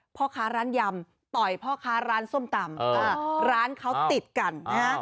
พ่อค้าร้านยำต่อยพ่อค้าร้านส้มตำร้านเขาติดกันนะฮะ